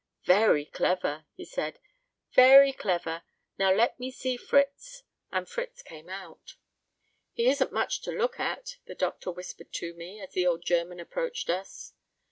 "Very clever," he said, "very clever; now let me see Fritz." And Fritz came out. "He isn't much to look at," the Doctor whispered to me, as the old German approached us.